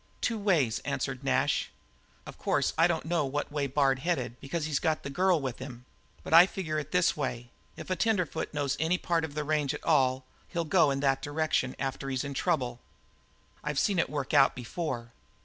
"Two ways," answered Nash. "Of course I don't know what way Bard headed, because he's got the girl with him, but I figure it this way: if a tenderfoot knows any part of the range at all, he'll go in that direction after he's in trouble. I've seen it work out before.